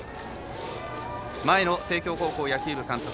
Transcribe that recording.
前の帝京高校野球部監督